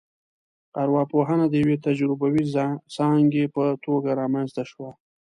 ارواپوهنه د یوې تجربوي ځانګې په توګه رامنځته شوه